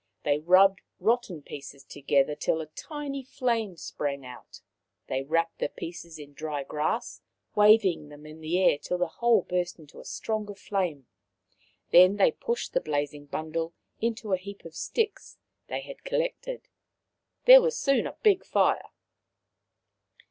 They rubbed rotten pieces together till a tiny flame sprang out ; they wrapped the pieces in dry grass, waving them in the air till the whole burst into stronger flame ; then they pushed the blazing bundle into a heap of sticks they had collected. There was soon a big fire.